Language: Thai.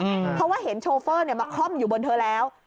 เพราะว่าเห็นโชเฟอร์เนี่ยมาคล่อมอยู่บนเธอแล้ว